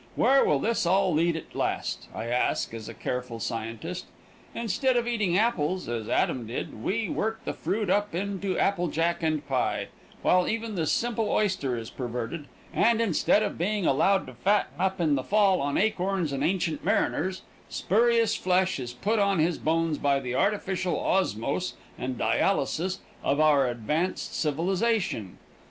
Where will this all lead at last, I ask as a careful scientist? Instead of eating apples, as Adam did, we work the fruit up into apple jack and pie, while even the simple oyster is perverted, and instead of being allowed to fatten up in the fall on acorns and ancient mariners, spurious flesh is put on his bones by the artificial osmose and dialysis of our advanced civilization.